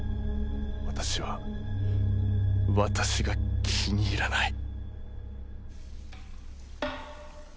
私は私が気に入らない。